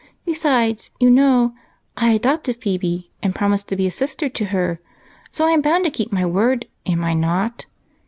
Besides, you know, I adopted Phebe and promised to be a sister to her, so I am bound to keep my word, am I not